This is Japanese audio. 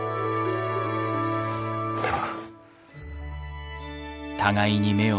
では。